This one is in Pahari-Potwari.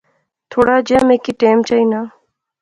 تھوڑا جہیا می کی ٹیم چائینا